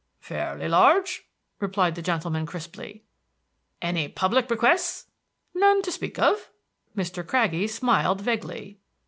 "Fairly large," replied that gentleman crisply. "Any public bequests?" "None to speak of." Mr. Craggie smiled vaguely.